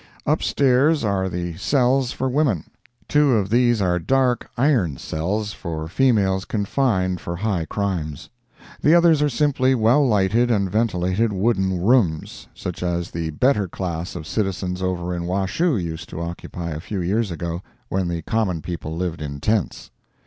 Up stairs are the cells for women; two of these are dark, iron cells, for females confined for high crimes. The others are simply well lighted and ventilated wooden rooms, such as the better class of citizens over in Washoe used to occupy a few years ago, when the common people lived in tents.